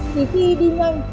thì khi đi nhanh